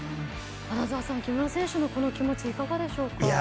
穴澤さん、木村選手のこの気持ちいかがでしょうか？